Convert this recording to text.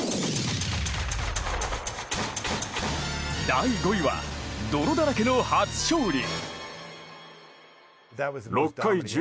第５位は、泥だらけの初勝利。